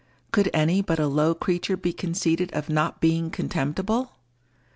Could any but a low creature be conceited of not being contemptible?